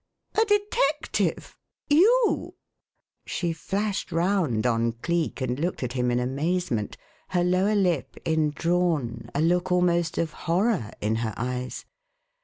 "A detective? You?" She flashed round on Cleek and looked at him in amazement, her lower lip indrawn, a look almost of horror in her eyes.